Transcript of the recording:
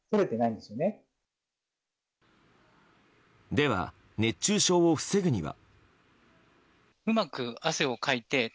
では、熱中症を防ぐには。